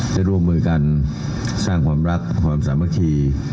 ได้ร่วมมือกันสร้างความรักความสามัคคี